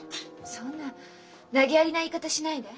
そんななげやりな言い方しないで。